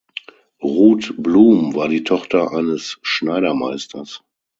Ruth Blum war die Tochter eines Schneidermeisters.